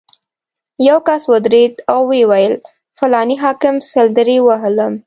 یو کس ودرېد او ویې ویل: فلاني حاکم سل درې ووهلم.